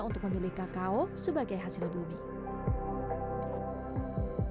untuk memilih kakao sebagai hasil bumi